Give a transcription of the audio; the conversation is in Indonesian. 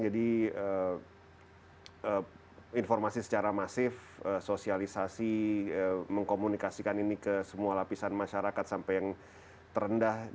jadi informasi secara masif sosialisasi mengkomunikasikan ini ke semua lapisan masyarakat sampai yang terendah